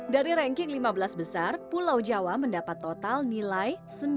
dari ranking lima belas besar pulau jawa mendapat total nilai sembilan puluh lima dua puluh delapan